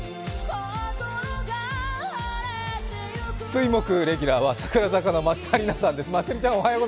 水・木レギュラーは櫻坂４６の松田里奈さんです。